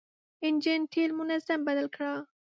انجن تېل منظم بدل کړه.